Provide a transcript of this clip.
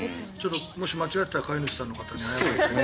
もし間違っていたら飼い主さんの方に申し訳ないですが。